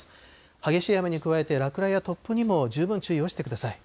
激しい雨に加えて落雷や突風にも十分注意をしてください。